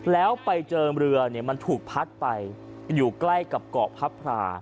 แล้วไปเจอเรือมันถูกพัดไปอยู่ใกล้กับเกาะพับพรา